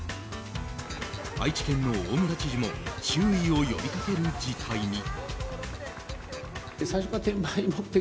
愛知県の大村知事も注意を呼びかける事態に。